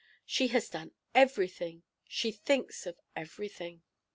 She has done everything, she thinks of everything.